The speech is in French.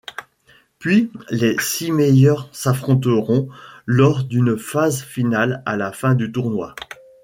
Puis les six meilleurs s'affronteront lors d'une phase finale à la fin du tournoi.